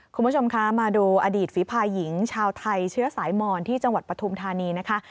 คุณผู้ชมคะมาดูอดีตฝีภายหญิงชาวไทยเชื้อสายมอนที่จังหวัดปฐุมธานีนะคะ